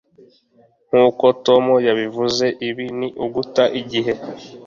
nkuko tom yabivuze, ibi ni uguta igihe